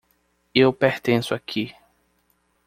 Eu pertenço aqui.